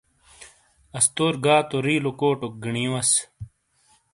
استور گا تو رِیلو کوٹوک گینی وَس ۔